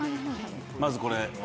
まずこれ。